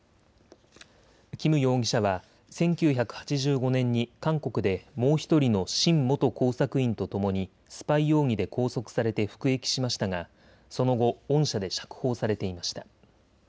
金容疑者は１９８５年に韓国でもう１人の辛元工作員とともにスパイ容疑で拘束されて服役しましたがその後、恩赦で釈放されていました。